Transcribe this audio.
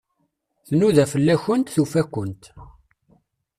Tnuda fell-akent, tufa-kent.